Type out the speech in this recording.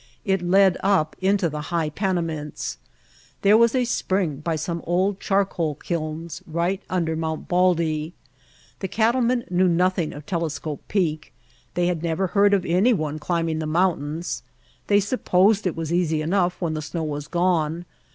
It led up into the high Panamints. There was a spring by some old charcoal kilns right under Mt. Baldy. The cattlemen knew nothing of White Heart of Mojave Telescope Peak. They had never heard of any one climbing the mountains. They supposed it was easy enough when the snow was gone.